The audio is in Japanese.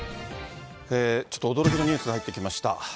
ちょっと驚きのニュースが入ってきました。